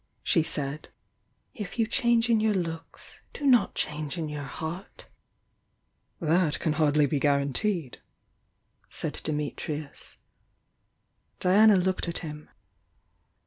she said. "If you change in your looks, do not change in your heart!" "That can ardly be guaranteed," said Dimitrius. Diana looked at him.